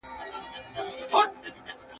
د «درگا» او «كالي» په بڼه کي